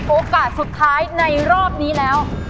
โอกาสสุดท้ายในรอบนี้แล้ว